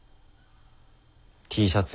Ｔシャツ。